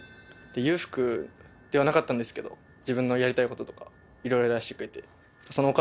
裕福ではなかったんですけど自分のやりたいこととかいろいろやらせてくれて。